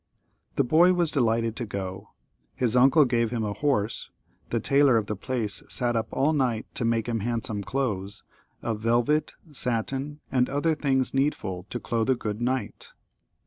The boy was delighted to go. His uncle gave him a horse ; the tailor of the place sat up all night to make him handsome clothes " of velvet, satin, and other things need ful to clothe a good knight."